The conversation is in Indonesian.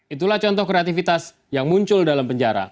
itulah contoh kreativitas yang muncul dalam penjara